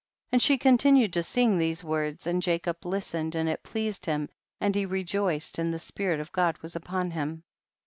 99. And she continued to sing these words, and Jacob listened and it pleased him, and he rejoiced, and the spirit of God was upon him.